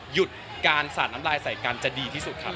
หยุดการสาดน้ำลายใส่กันจะดีที่สุดครับ